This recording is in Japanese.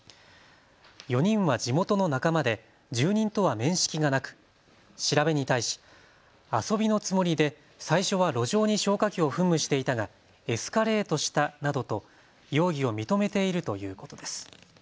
４人は地元の仲間で住人とは面識がなく調べに対し、遊びのつもりで最初は路上に消火器を噴霧していたがエスカレートしたなどと容疑を認めているということです。